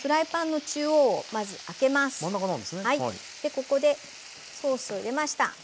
ここでソースを入れました。